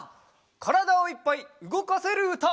からだをいっぱいうごかせるうた！